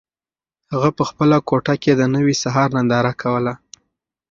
هغه په خپله کوټه کې د نوي سهار ننداره کوله.